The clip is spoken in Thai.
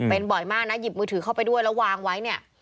เป็นบ่อยมากนะหยิบมือถือเข้าไปด้วยแล้ววางไว้เนี่ย